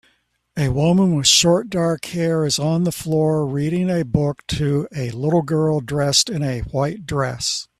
A woman with short dark hair is on the floor reading a book to a little girl dressed in a white dress